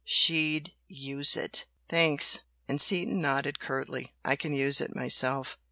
SHE'D USE IT!" "Thanks!" and Seaton nodded curtly "I can use it myself!"